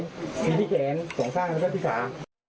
มีที่แขนสองข้างแล้วก็ที่ขา